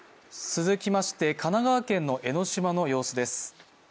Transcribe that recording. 続きまして、神奈川県の江の島の様子です。